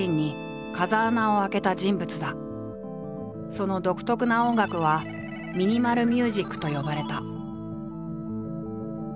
その独特な音楽は「ミニマル・ミュージック」と呼ばれた。